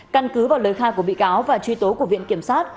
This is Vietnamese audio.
căn cứ vào lời khai của bị cáo và truy tố của viện kiểm sát